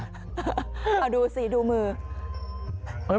ดูสิดูมือ